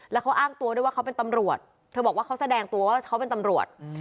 แล้วเขาอ้างตัวด้วยว่าเขาเป็นตำรวจเธอบอกว่าเขาแสดงตัวว่าเขาเป็นตำรวจ